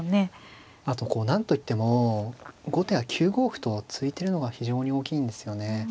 あとこう何といっても後手は９五歩と突いてるのが非常に大きいんですよね。